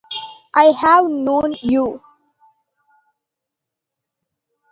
I have known you.